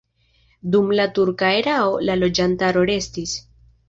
Dum la turka erao la loĝantaro restis.